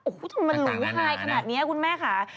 โอ้โหจนมันหลุงไหลขนาดนี้คุณแม่ค่ะ